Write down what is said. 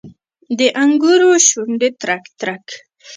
د انګورو شونډې ترک، ترک